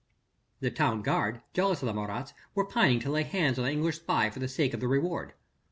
The town guard, jealous of the Marats, were pining to lay hands on the English spy for the sake of the reward.